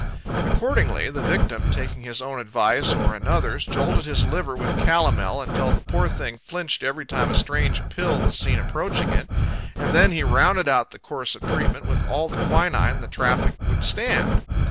Accordingly, the victim, taking his own advice or another's, jolted his liver with calomel until the poor thing flinched every time a strange pill was seen approaching it, and then he rounded out the course of treatment with all the quinine the traffic would stand.